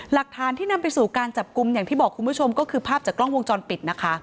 หลักฐานที่นำไปสู่การจับกลุ่มอย่างที่บอกคุณผู้ชมก็คือภาพจากกล้องวงจรปิดนะคะ